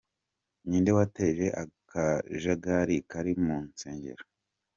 Ni nde wateje akajagari kari mu nsengero?.